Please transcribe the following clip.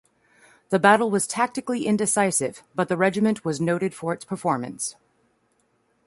The battle was tactically indecisive, but the regiment was noted for its performance.